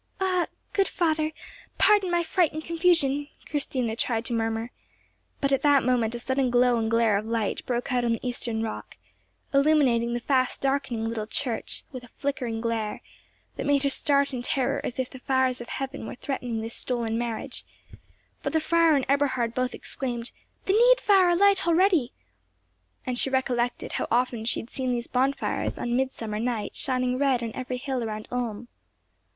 "Ah, good father, pardon my fright and confusion," Christina tried to murmur, but at that moment a sudden glow and glare of light broke out on the eastern rock, illuminating the fast darkening little church with a flickering glare, that made her start in terror as if the fires of heaven were threatening this stolen marriage; but the friar and Eberhard both exclaimed, "The Needfire alight already!" And she recollected how often she had seen these bonfires on Midsummer night shining red on every hill around Ulm.